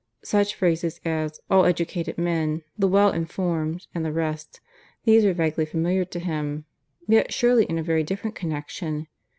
Such phrases as "all educated men," "the well informed," and the rest these were vaguely familiar to him, yet surely in a very different connection.